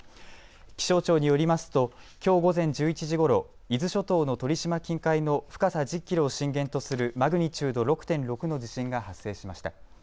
気象庁によりますときょう午前１１時ごろ、伊豆諸島の鳥島近海の深さ１０キロを震源とするマグニチュード６．６の地震が発生しました。